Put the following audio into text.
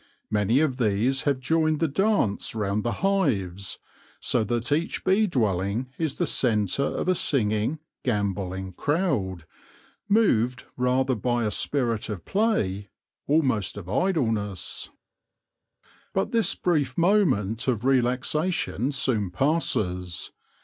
Many of these have joined the dance round the hives, so that each bee dwelling is the centre of a singing, gambolling crowd moved rather by a spirit of play, almost of idleness, But this brief moment of relaxation soon passes.